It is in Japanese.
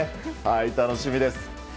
楽しみです。